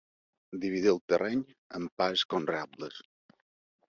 Dividir el terreny en parts conreables.